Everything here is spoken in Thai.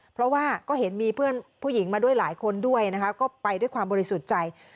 เพราะว่าก็เห็นมีเพื่อนผู้หญิงมาด้วยหลายคนด้วยนะคะก็ไปด้วยความบริสุทธิ์ใจ